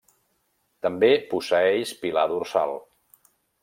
També posseeix pilar dorsal.